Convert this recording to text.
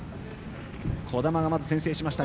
児玉が先制しました。